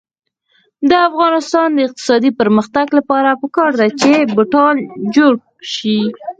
د افغانستان د اقتصادي پرمختګ لپاره پکار ده چې بوټان جوړ شي.